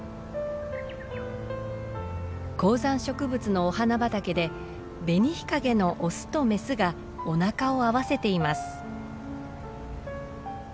高山植物のお花畑でベニヒカゲのオスとメスがおなかを合わせています。